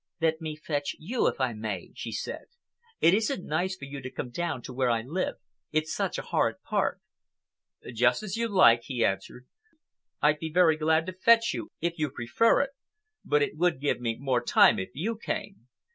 "Let me fetch you, if I may," she said. "It isn't nice for you to come down to where I live. It's such a horrid part." "Just as you like," he answered. "I'd be very glad to fetch you if you prefer it, but it would give me more time if you came.